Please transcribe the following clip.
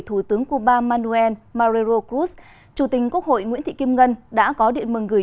thủ tướng cuba manuel marrero cruz chủ tình quốc hội nguyễn thị kim ngân đã có điện mừng gửi